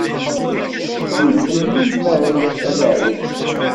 Unfen i lmal ad iɛeddi.